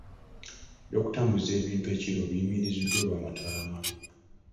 Eby'okutambuza ebintu ekiro biyimiriziddwa olw'amataala amabi.